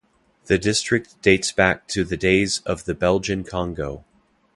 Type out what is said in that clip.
The district dates back to the days of the Belgian Congo.